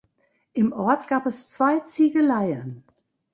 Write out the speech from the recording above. Im Ort gab es zwei Ziegeleien.